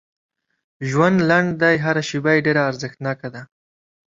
ژوند لنډ دی هر شیبه یې ډېره ارزښتناکه ده